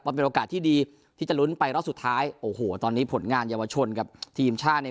เป็นโอกาสที่ดีที่จะลุ้นไปรอบสุดท้ายโอ้โหตอนนี้ผลงานเยาวชนกับทีมชาติเนี่ย